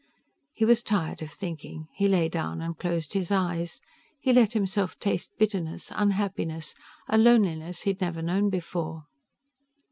He was tired of thinking. He lay down and closed his eyes. He let himself taste bitterness, unhappiness, a loneliness he had never known before.